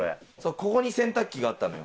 ここに洗濯機があったのよ。